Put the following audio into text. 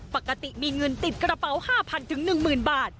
ปกติมีเงินติดกระเป๋าห้าพันถึงหนึ่งหมื่นบาท